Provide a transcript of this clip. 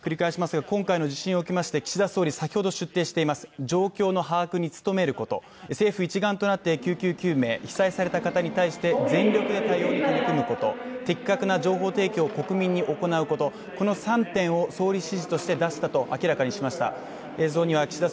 今回の地震を受け岸田総理は先ほど出廷し、状況の把握に努めること、政府一丸となって救急救命、被災された方に対して全力で対応に取り組むこと、的確な情報提供を国民に行うことの３点を、総理指示として出したと明らかにしました